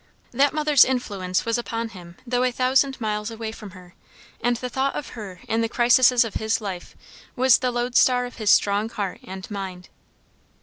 That mother's influence was upon him though a thousand miles away from her, and the thought of her in the crises of his life was the load star of his strong heart and mind.